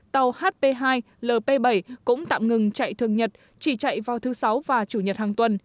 tàu hp hai lp bảy cũng tạm ngừng chạy thường nhật chỉ chạy vào thứ sáu và chủ nhật hàng tuần